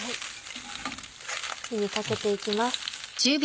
火にかけていきます。